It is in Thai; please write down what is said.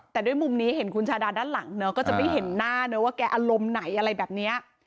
แต่ด้วยมุมนี้เห็นคุณชาดาด้านหลังเนอะก็จะไม่เห็นหน้าเนอะว่าแกอารมณ์ไหนอะไรแบบนี้